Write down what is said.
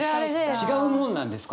違うものなんですか？